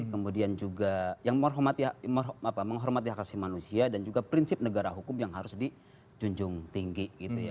kemudian juga yang menghormati hak asli manusia dan juga prinsip negara hukum yang harus dijunjung tinggi